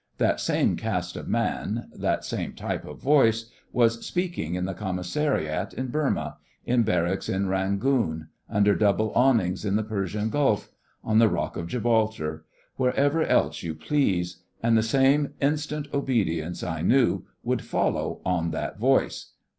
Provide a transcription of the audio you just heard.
That same caste of man—that same type of voice—was speaking in the commissariat in Burma; in barracks in Rangoon; under double awnings in the Persian Gulf; on the Rock at Gibraltar—wherever else you please—and the same instant obedience, I knew, would follow on that voice.